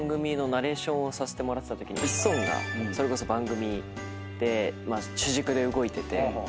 させてもらってたときにイッソンがそれこそ番組で主軸で動いてて。